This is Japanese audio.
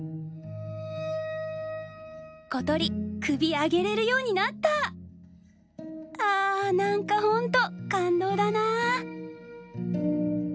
「ことり首あげれるようになったあなんかほんと感動だなぁ」。